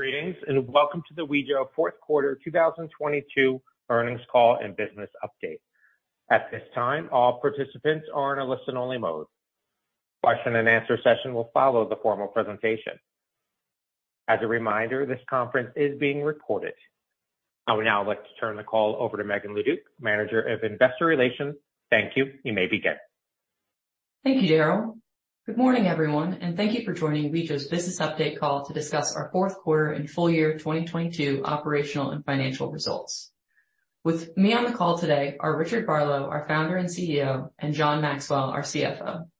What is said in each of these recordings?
Greetings, welcome to the Wejo fourth quarter 2022 earnings call and business update. At this time, all participants are in a listen-only mode. Question and answer session will follow the formal presentation. As a reminder, this conference is being recorded. I would now like to turn the call over to Megan LeDuc, Manager of Investor Relations. Thank you. You may begin. Thank you, Errol. Good morning, everyone, and thank you for joining Wejo's business update call to discuss our fourth quarter and full year 2022 operational and financial results. With me on the call today are Richard Barlow, our Founder and CEO, and John Maxwell, our CFO.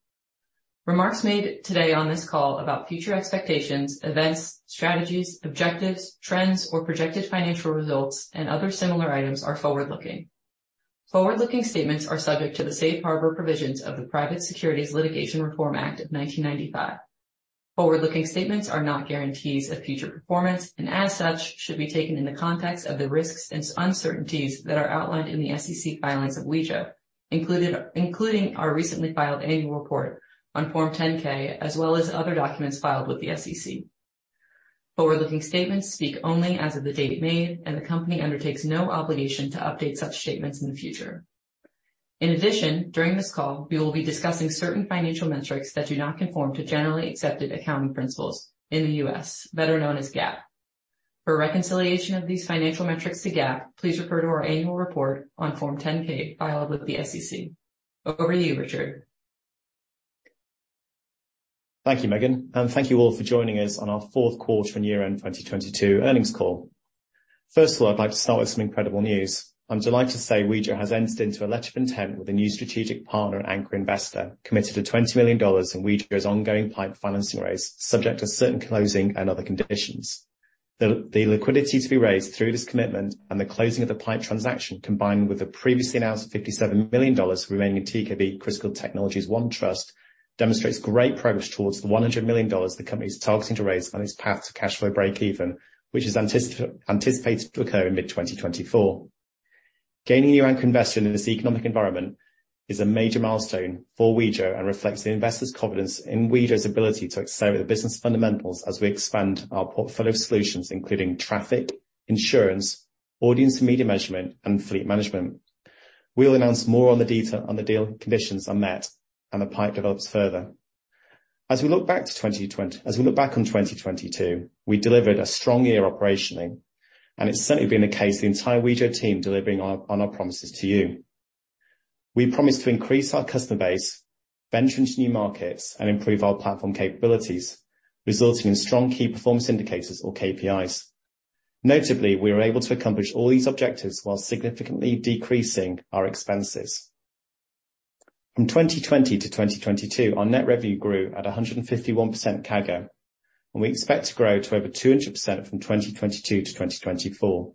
Remarks made today on this call about future expectations, events, strategies, objectives, trends or projected financial results and other similar items are forward-looking. Forward-looking statements are subject to the safe harbor provisions of the Private Securities Litigation Reform Act of 1995. Forward-looking statements are not guarantees of future performance and as such should be taken in the context of the risks and uncertainties that are outlined in the SEC filings of Wejo, including our recently filed annual report on Form 10-K as well as other documents filed with the SEC. Forward-looking statements speak only as of the date made, and the company undertakes no obligation to update such statements in the future. In addition, during this call, we will be discussing certain financial metrics that do not conform to generally accepted accounting principles in the U.S., better known as GAAP. For reconciliation of these financial metrics to GAAP, please refer to our annual report on Form 10-K filed with the SEC. Over to you, Richard. Thank you, Megan, and thank you all for joining us on our fourth quarter and year-end 2022 earnings call. First of all, I'd like to start with some incredible news. I'm delighted to say Wejo has entered into a letter of intent with a new strategic partner and anchor investor committed to $20 million in Wejo's ongoing PIPE financing raise subject to certain closing and other conditions. The liquidity to be raised through this commitment and the closing of the PIPE transaction, combined with the previously announced $57 million remaining in TKB Critical Technologies 1 Trust demonstrates great progress towards the $100 million the company is targeting to raise on its path to cash flow breakeven, which is anticipated to occur in mid-2024. Gaining a new anchor investor in this economic environment is a major milestone for Wejo and reflects the investor's confidence in Wejo's ability to accelerate the business fundamentals as we expand our portfolio of solutions, including traffic, insurance, audience and media measurement, and fleet management. We'll announce more on the detail on the deal conditions are met and the PIPE develops further. As we look back on 2022, we delivered a strong year operationally, and it's certainly been the case of the entire Wejo team delivering on our promises to you. We promised to increase our customer base, venture into new markets, and improve our platform capabilities, resulting in strong Key Performance Indicators or KPIs. Notably, we were able to accomplish all these objectives while significantly decreasing our expenses. From 2020-2022, our net revenue grew at a 151% CAGR, and we expect to grow to over 200% from 2022-2024.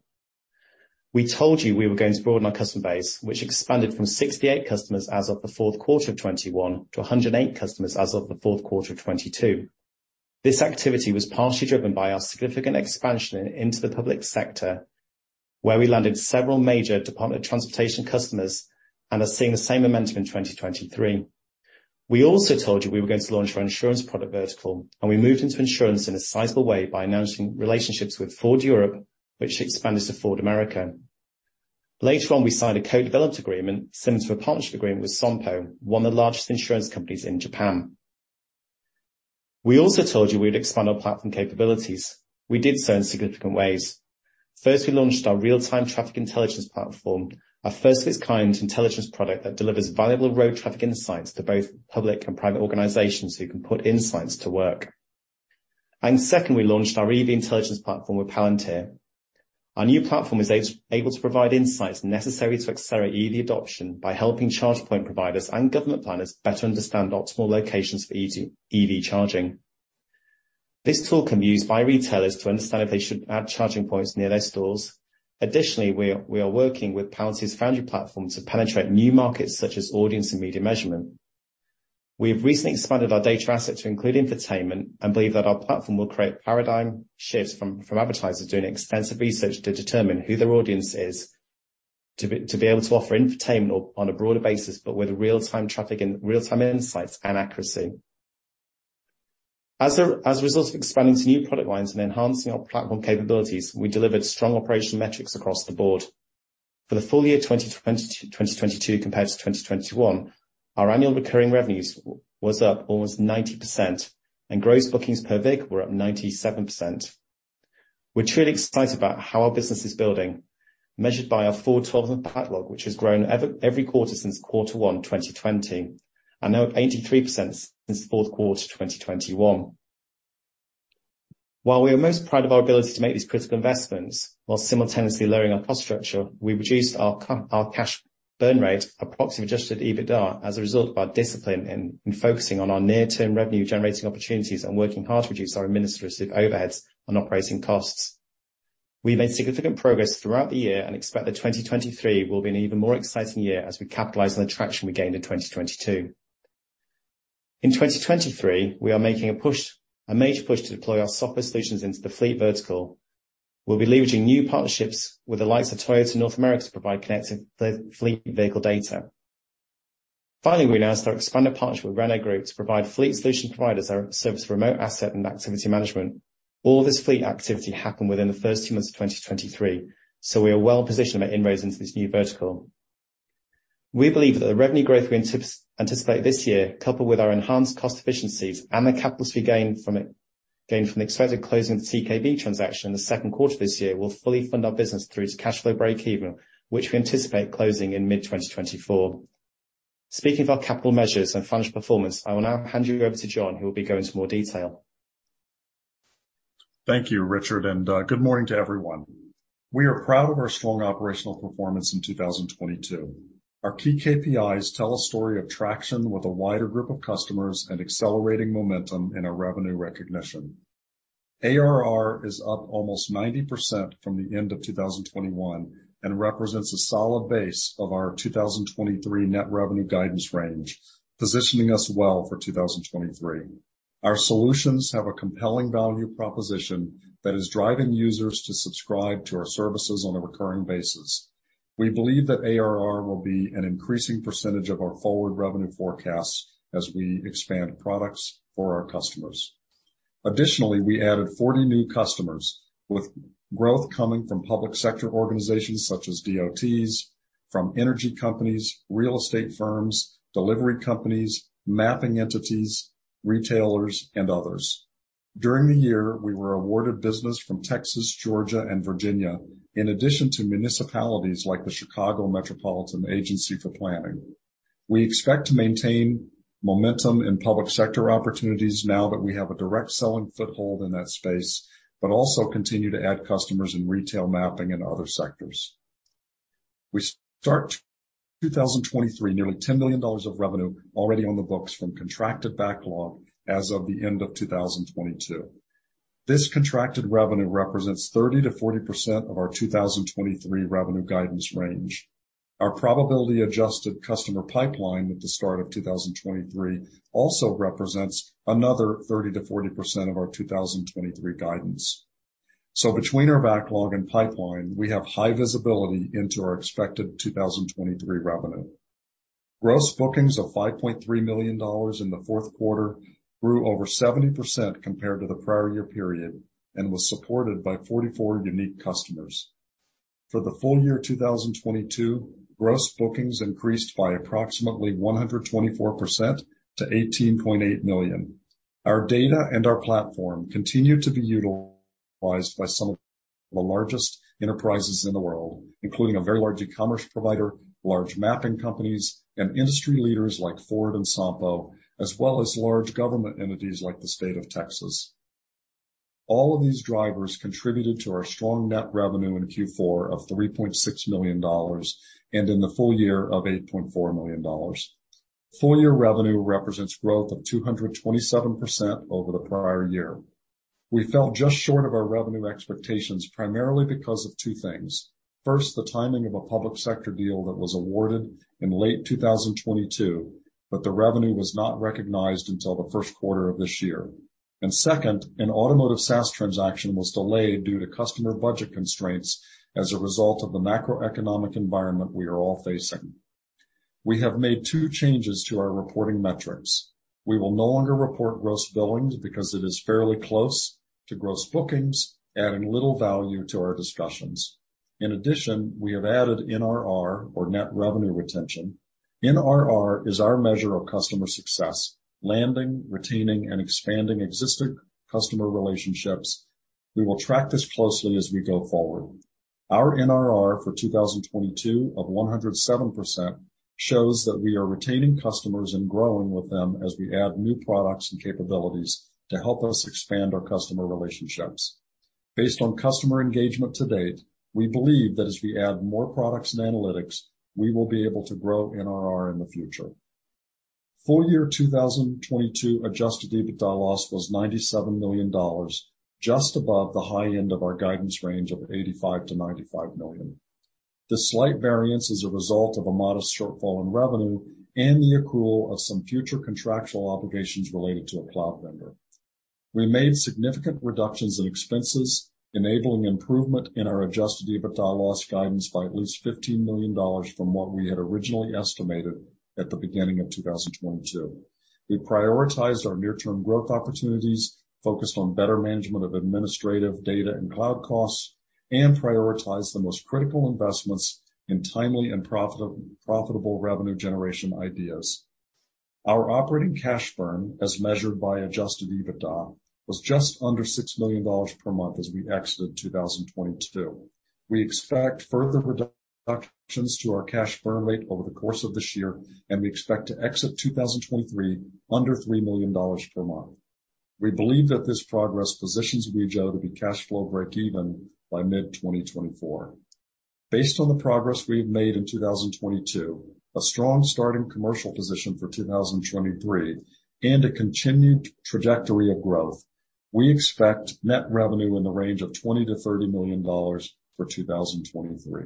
We told you we were going to broaden our customer base, which expanded from 68 customers as of the fourth quarter of 2021 to 108 customers as of the fourth quarter of 2022. This activity was partially driven by our significant expansion into the public sector, where we landed several major Department of Transportation customers and are seeing the same momentum in 2023. We also told you we were going to launch our insurance product vertical, and we moved into insurance in a sizable way by announcing relationships with Ford of Europe, which expanded to Ford Motor Company. Later on, we signed a co-development agreement similar to a partnership agreement with Sompo, one of the largest insurance companies in Japan. We also told you we'd expand our platform capabilities. We did so in significant ways. First, we launched our Real-Time Traffic Intelligence platform, a first of its kind intelligence product that delivers valuable road traffic insights to both public and private organizations who can put insights to work. Second, we launched our EV Intelligence platform with Palantir. Our new platform is able to provide insights necessary to accelerate EV adoption by helping charge point providers and government planners better understand optimal locations for EV charging. This tool can be used by retailers to understand if they should add charging points near their stores. Additionally, we are working with Palantir's Foundry platform to penetrate new markets such as audience and media measurement. We have recently expanded our data asset to include infotainment and believe that our platform will create paradigm shifts from advertisers doing extensive research to determine who their audience is to be able to offer infotainment on a broader basis, but with real-time traffic and real-time insights and accuracy. As a result of expanding to new product lines and enhancing our platform capabilities, we delivered strong operational metrics across the board. For the full year 2022 compared to 2021, our annual recurring revenues was up almost 90% and gross bookings per VIC were up 97%. We're truly excited about how our business is building, measured by our full 12th backlog, which has grown every quarter since quarter one 2020, and now up 83% since the fourth quarter 2021. While we are most proud of our ability to make these critical investments while simultaneously lowering our cost structure, we reduced our cash burn rate, approximate adjusted EBITDA as a result of our discipline in focusing on our near-term revenue generating opportunities and working hard to reduce our administrative overheads on operating costs. We made significant progress throughout the year and expect that 2023 will be an even more exciting year as we capitalize on the traction we gained in 2022. In 2023, we are making a push, a major push to deploy our software solutions into the fleet vertical. We'll be leveraging new partnerships with the likes of Toyota Motor North America to provide connected fleet vehicle data. We announced our expanded partnership with Renault Group to provide fleet solution providers our service remote asset and activity management. All this fleet activity happened within the first two months of 2023, we are well positioned to make inroads into this new vertical. We believe that the revenue growth we anticipate this year, coupled with our enhanced cost efficiencies and the capitals we gained from the expected closing of the TKB transaction in the second quarter of this year, will fully fund our business through to cash flow break-even, which we anticipate closing in mid-2024. Speaking of our capital measures and financial performance, I will now hand you over to John, who will be going into more detail. Thank you, Richard, and good morning to everyone. We are proud of our strong operational performance in 2022. Our key KPIs tell a story of traction with a wider group of customers and accelerating momentum in our revenue recognition. ARR is up almost 90% from the end of 2021 and represents a solid base of our 2023 net revenue guidance range, positioning us well for 2023. Our solutions have a compelling value proposition that is driving users to subscribe to our services on a recurring basis. We believe that ARR will be an increasing percentage of our forward revenue forecasts as we expand products for our customers. Additionally, we added 40 new customers with growth coming from public sector organizations such as DOTs, from energy companies, real estate firms, delivery companies, mapping entities, retailers and others. During the year, we were awarded business from Texas, Georgia and Virginia, in addition to municipalities like the Chicago Metropolitan Agency for Planning. We expect to maintain momentum in public sector opportunities now that we have a direct selling foothold in that space, also continue to add customers in retail mapping and other sectors. We start 2023 nearly $10 million of revenue already on the books from contracted backlog as of the end of 2022. This contracted revenue represents 30%-40% of our 2023 revenue guidance range. Our probability adjusted customer pipeline at the start of 2023 also represents another 30%-40% of our 2023 guidance. Between our backlog and pipeline, we have high visibility into our expected 2023 revenue. Gross bookings of $5.3 million in the fourth quarter grew over 70% compared to the prior year period and was supported by 44 unique customers. For the full year 2022, gross bookings increased by approximately 124% to $18.8 million. Our data and our platform continue to be utilized by some of the largest enterprises in the world, including a very large e-commerce provider, large mapping companies and industry leaders like Ford and Sompo, as well as large government entities like the state of Texas. All of these drivers contributed to our strong net revenue in Q4 of $3.6 million, and in the full year of $8.4 million. Full year revenue represents growth of 227% over the prior year. We fell just short of our revenue expectations, primarily because of two things. First, the timing of a public sector deal that was awarded in late 2022, but the revenue was not recognized until the first quarter of this year. Second, an automotive SaaS transaction was delayed due to customer budget constraints as a result of the macroeconomic environment we are all facing. We have made two changes to our reporting metrics. We will no longer report gross billings because it is fairly close to gross bookings, adding little value to our discussions. In addition, we have added NRR or net revenue retention. NRR is our measure of customer success, landing, retaining and expanding existing customer relationships. We will track this closely as we go forward. Our NRR for 2022 of 107% shows that we are retaining customers and growing with them as we add new products and capabilities to help us expand our customer relationships. Based on customer engagement to date, we believe that as we add more products and analytics, we will be able to grow NRR in the future. Full year 2022 adjusted EBITDA loss was $97 million, just above the high end of our guidance range of $85 million-$95 million. The slight variance is a result of a modest shortfall in revenue and the accrual of some future contractual obligations related to a cloud vendor. We made significant reductions in expenses, enabling improvement in our adjusted EBITDA loss guidance by at least $15 million from what we had originally estimated at the beginning of 2022. We prioritized our near-term growth opportunities, focused on better management of administrative data and cloud costs, and prioritized the most critical investments in timely and profitable revenue generation ideas. Our operating cash burn, as measured by adjusted EBITDA, was just under $6 million per month as we exited 2022. We expect further reductions to our cash burn rate over the course of this year, and we expect to exit 2023 under $3 million per month. We believe that this progress positions Wejo to be cash flow break even by mid-2024. Based on the progress we've made in 2022, a strong start in commercial position for 2023, and a continued trajectory of growth, we expect net revenue in the range of $20 million-$30 million for 2023.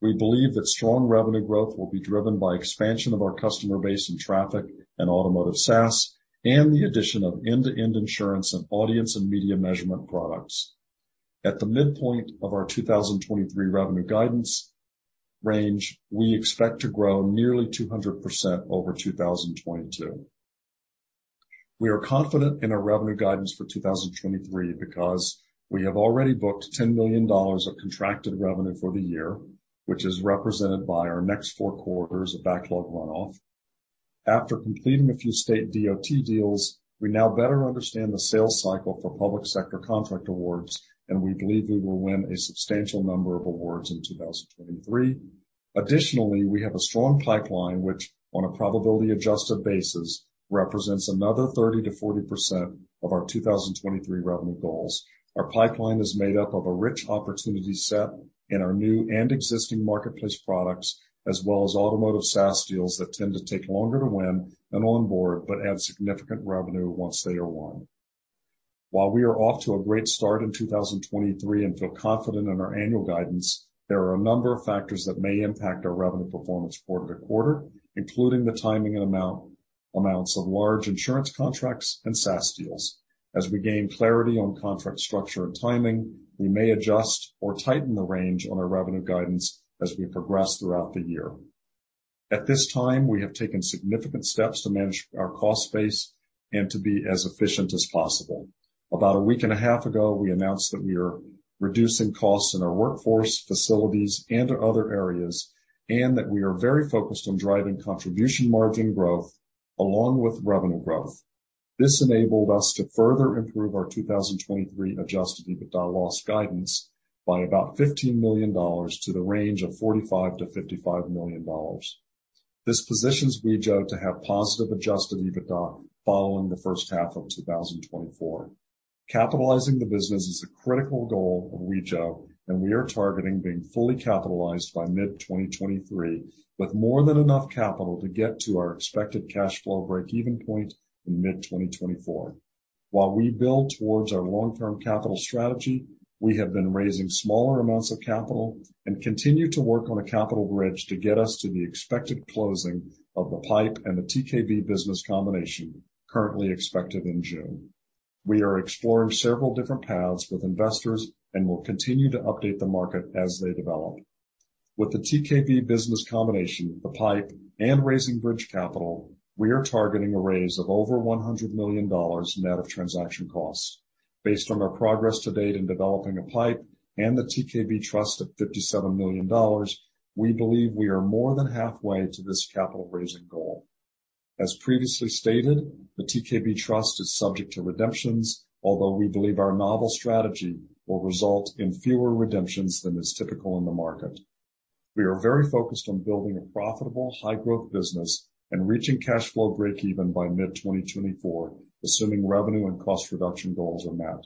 We believe that strong revenue growth will be driven by expansion of our customer base in traffic and automotive SaaS and the addition of end-to-end insurance and audience and media measurement products. At the midpoint of our 2023 revenue guidance range, we expect to grow nearly 200% over 2022. We are confident in our revenue guidance for 2023 because we have already booked $10 million of contracted revenue for the year, which is represented by our next four quarters of backlog runoff. After completing a few state DOT deals, we now better understand the sales cycle for public sector contract awards, and we believe we will win a substantial number of awards in 2023. Additionally, we have a strong pipeline which, on a probability adjusted basis, represents another 30%-40% of our 2023 revenue goals. Our pipeline is made up of a rich opportunity set in our new and existing marketplace products, as well as automotive SaaS deals that tend to take longer to win and onboard, but add significant revenue once they are won. While we are off to a great start in 2023 and feel confident in our annual guidance, there are a number of factors that may impact our revenue performance quarter-to-quarter, including the timing and amounts of large insurance contracts and SaaS deals. As we gain clarity on contract structure and timing, we may adjust or tighten the range on our revenue guidance as we progress throughout the year. At this time, we have taken significant steps to manage our cost base and to be as efficient as possible. About a week and a half ago, we announced that we are reducing costs in our workforce, facilities and other areas, and that we are very focused on driving contribution margin growth along with revenue growth. This enabled us to further improve our 2023 adjusted EBITDA loss guidance by about $15 million to the range of $45 million-$55 million. This positions Wejo to have positive adjusted EBITDA following the first half of 2024. Capitalizing the business is a critical goal of Wejo, and we are targeting being fully capitalized by mid-2023, with more than enough capital to get to our expected cash flow break-even point in mid-2024. While we build towards our long-term capital strategy, we have been raising smaller amounts of capital and continue to work on a capital bridge to get us to the expected closing of the PIPE and the TKB business combination currently expected in June. We are exploring several different paths with investors and will continue to update the market as they develop. With the TKB business combination, the PIPE, and raising bridge capital, we are targeting a raise of over $100 million net of transaction costs. Based on our progress to date in developing a PIPE and the TKB Trust of $57 million, we believe we are more than halfway to this capital raising goal. As previously stated, the TKB Trust is subject to redemptions, although we believe our novel strategy will result in fewer redemptions than is typical in the market. We are very focused on building a profitable high-growth business and reaching cash flow break even by mid 2024, assuming revenue and cost reduction goals are met.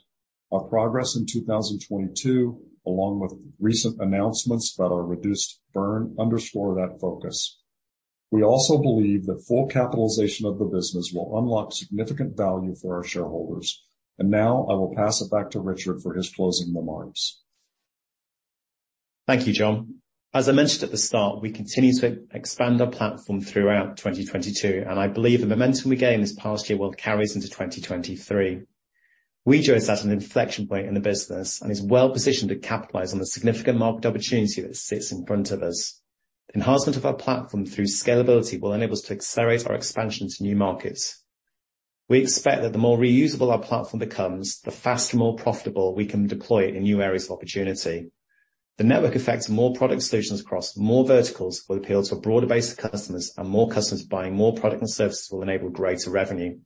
Our progress in 2022, along with recent announcements about our reduced burn underscore that focus. We also believe that full capitalization of the business will unlock significant value for our shareholders. Now I will pass it back to Richard for his closing remarks. Thank you, John. As I mentioned at the start, we continue to expand our platform throughout 2022, and I believe the momentum we gained this past year will carries into 2023. Wejo is at an inflection point in the business and is well positioned to capitalize on the significant market opportunity that sits in front of us. Enhancement of our platform through scalability will enable us to accelerate our expansion to new markets. We expect that the more reusable our platform becomes, the faster and more profitable we can deploy it in new areas of opportunity. The network effects more product solutions across more verticals will appeal to a broader base of customers, and more customers buying more product and services will enable greater revenue.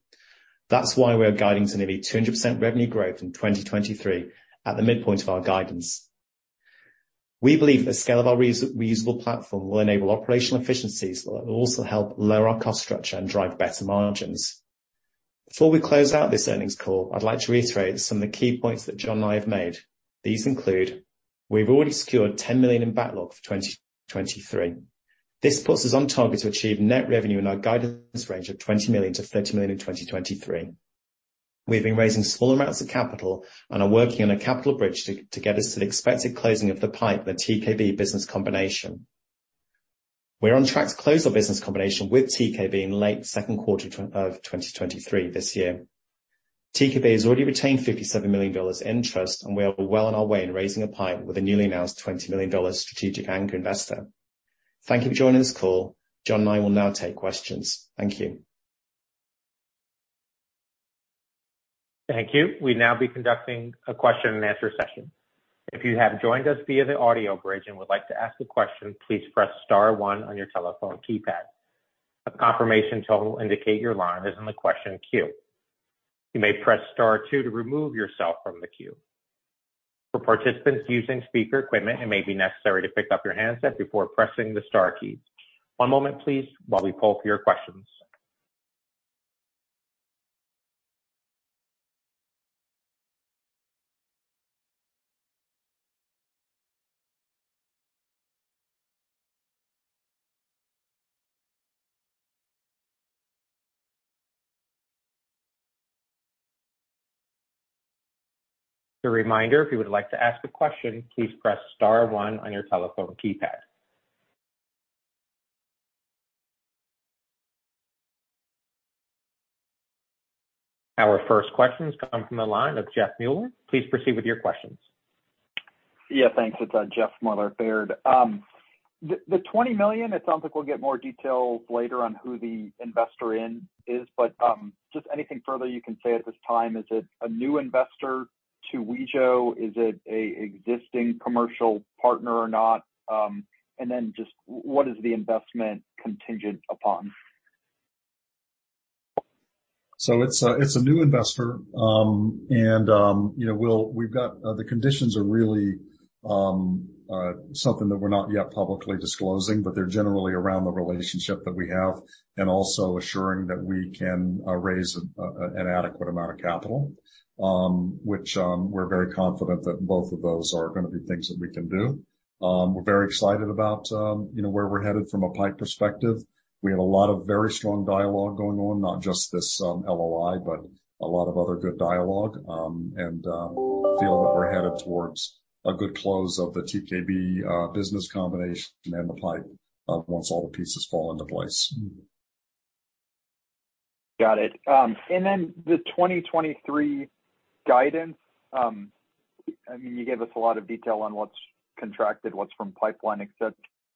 That's why we are guiding to nearly 200% revenue growth in 2023 at the midpoint of our guidance. We believe the scale of our reusable platform will enable operational efficiencies that will also help lower our cost structure and drive better margins. Before we close out this earnings call, I'd like to reiterate some of the key points that John and I have made. These include we've already secured $10 million in backlog for 2023. This puts us on target to achieve net revenue in our guidance range of $20 million-$30 million in 2023. We've been raising small amounts of capital and are working on a capital bridge to get us to the expected closing of the PIPE and the TKB business combination. We're on track to close our business combination with TKB in late Q2 2023 this year. TKB has already retained $57 million in trust. We are well on our way in raising a PIPE with a newly announced $20 million strategic anchor investor. Thank you for joining this call. John and I will now take questions. Thank you. Thank you. We now be conducting a question-and-answer session. If you have joined us via the audio bridge and would like to ask a question, please press star one on your telephone keypad. A confirmation tone will indicate your line is in the question queue. You may press star two to remove yourself from the queue. For participants using speaker equipment, it may be necessary to pick up your handset before pressing the star keys. One moment please while we poll for your questions. A reminder, if you would like to ask a question, please press star one on your telephone keypad. Our first question has come from the line of Jeffrey Meuler. Please proceed with your questions. Yeah, thanks. It's Jeffrey Meuler at Baird. The $20 million, it sounds like we'll get more details later on who the investor in is. Just anything further you can say at this time, is it a new investor to Wejo? Is it a existing commercial partner or not? Then just what is the investment contingent upon? It's a new investor. You know, we've got the conditions are really something that we're not yet publicly disclosing, but they're generally around the relationship that we have and also assuring that we can raise an adequate amount of capital, which we're very confident that both of those are gonna be things that we can do. We're very excited about, you know, where we're headed from a PIPE perspective. We have a lot of very strong dialogue going on, not just this LOI, but a lot of other good dialogue, and feel that we're headed towards a good close of the TKB business combination and the PIPE once all the pieces fall into place. Got it. The 2023 guidance, I mean, you gave us a lot of detail on what's contracted, what's from pipeline, et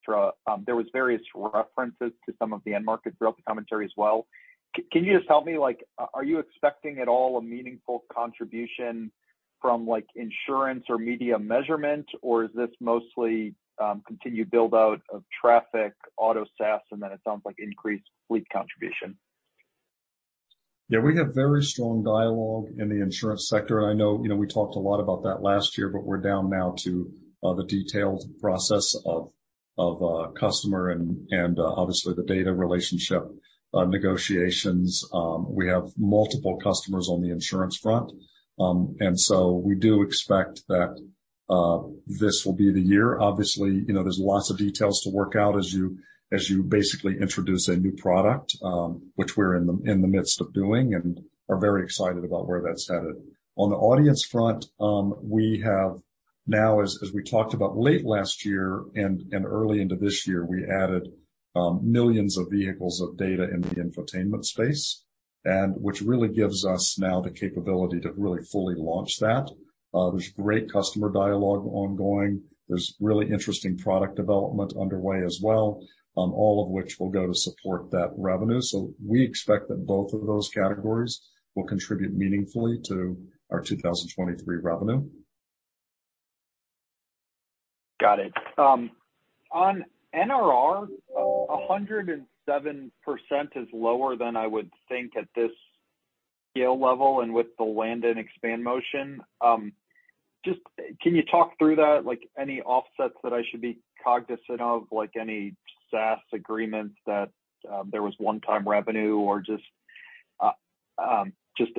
cetera. There was various references to some of the end market growth commentary as well. Can you just tell me, like, are you expecting at all a meaningful contribution from, like, insurance or media measurement? Is this mostly, continued build-out of traffic, auto SaaS, and then it sounds like increased fleet contribution? Yeah. We have very strong dialogue in the insurance sector. I know, you know, we talked a lot about that last year, but we're down now to the detailed process of customer and obviously the data relationship negotiations. We have multiple customers on the insurance front. We do expect that this will be the year. Obviously, you know, there's lots of details to work out as you basically introduce a new product, which we're in the midst of doing and are very excited about where that's headed. On the audience front, we have now, as we talked about late last year and early into this year, we added millions of vehicles of data in the infotainment space, which really gives us now the capability to really fully launch that. There's great customer dialogue ongoing. There's really interesting product development underway as well, all of which will go to support that revenue. We expect that both of those categories will contribute meaningfully to our 2023 revenue. Got it. On NRR, 107% is lower than I would think at this scale level and with the land and expand motion. Can you talk through that? Any offsets that I should be cognizant of, like any SaaS agreements that there was one-time revenue or just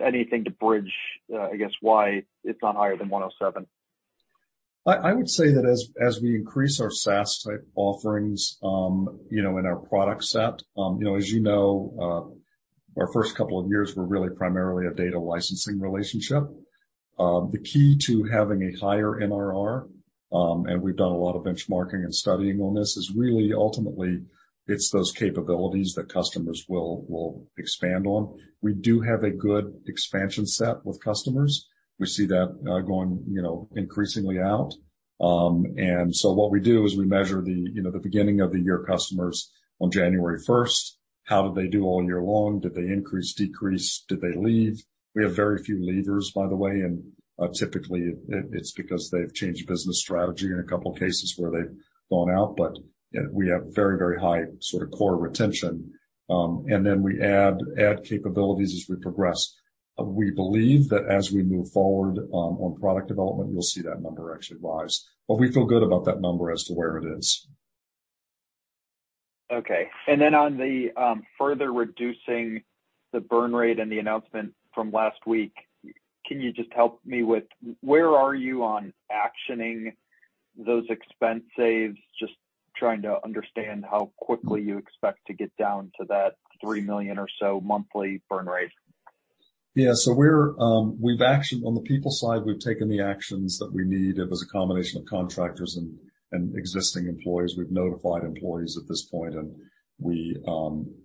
anything to bridge, I guess why it's not higher than 107%. I would say that as we increase our SaaS type offerings, you know, in our product set, you know, as you know, our first couple of years were really primarily a data licensing relationship. The key to having a higher NRR, and we've done a lot of benchmarking and studying on this, is really ultimately, it's those capabilities that customers will expand on. We do have a good expansion set with customers. We see that going, you know, increasingly out. What we do is we measure the, you know, the beginning of the year customers on January first, how did they do all year long? Did they increase, decrease? Did they leave? We have very few leavers, by the way, and typically it's because they've changed business strategy in a couple of cases where they've gone out. You know, we have very, very high sort of core retention. Then we add capabilities as we progress. We believe that as we move forward, on product development, you'll see that number actually rise. We feel good about that number as to where it is. Okay. On the further reducing the burn rate and the announcement from last week, can you just help me with where are you on actioning those expense saves? Just trying to understand how quickly you expect to get down to that $3 million or so monthly burn rate. We're on the people side, we've taken the actions that we need. It was a combination of contractors and existing employees. We've notified employees at this point. We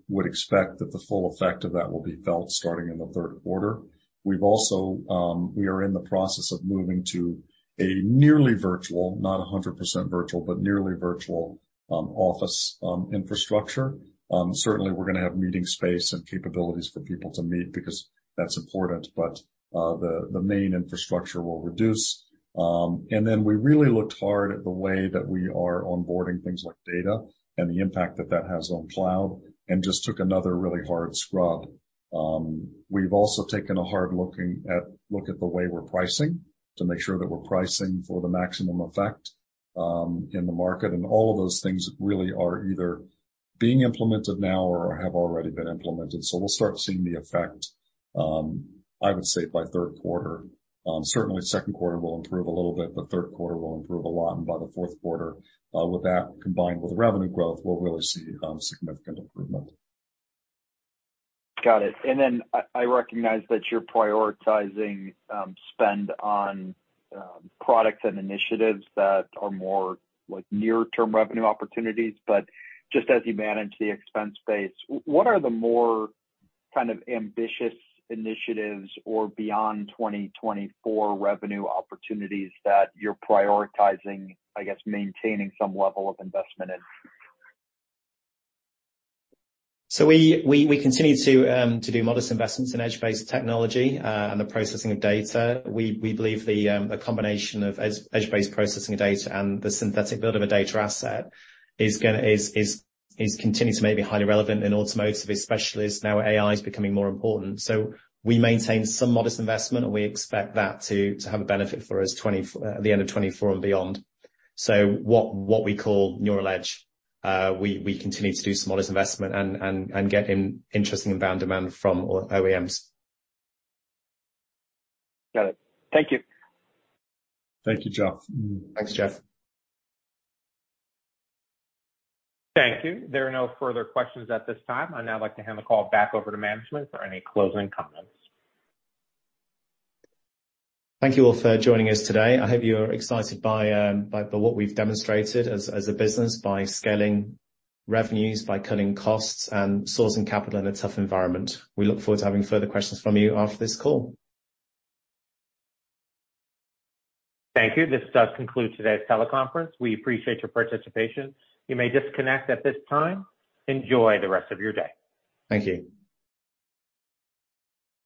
would expect that the full effect of that will be felt starting in the third quarter. We've also, we are in the process of moving to a nearly virtual, not 100% virtual, but nearly virtual office infrastructure. Certainly we're going to have meeting space and capabilities for people to meet because that's important, but the main infrastructure will reduce. We really looked hard at the way that we are onboarding things like data and the impact that that has on cloud and just took another really hard scrub. We've also taken a hard look at the way we're pricing to make sure that we're pricing for the maximum effect in the market. All of those things really are either being implemented now or have already been implemented. We'll start seeing the effect, I would say by third quarter. Certainly second quarter will improve a little bit, but third quarter will improve a lot. By the fourth quarter, with that combined with revenue growth, we'll really see significant improvement. Got it. I recognize that you're prioritizing, spend on, products and initiatives that are more like near-term revenue opportunities, but just as you manage the expense base, what are the more kind of ambitious initiatives or beyond 2024 revenue opportunities that you're prioritizing, I guess, maintaining some level of investment in? We continue to do modest investments in edge-based technology and the processing of data. We believe the a combination of edge-based processing of data and the synthetic build of a data asset is continuing to maybe highly relevant in automotive, especially as now AI is becoming more important. We maintain some modest investment, and we expect that to have a benefit for us the end of 2024 and beyond. What we call Neural Edge, we continue to do some modest investment and get in interesting inbound demand from OEMs. Got it. Thank you. Thank you, Jeff. Thanks, Jeff. Thank you. There are no further questions at this time. I'd now like to hand the call back over to management for any closing comments. Thank you all for joining us today. I hope you're excited by what we've demonstrated as a business by scaling revenues, by cutting costs, and sourcing capital in a tough environment. We look forward to having further questions from you after this call. Thank you. This does conclude today's teleconference. We appreciate your participation. You may disconnect at this time. Enjoy the rest of your day. Thank you.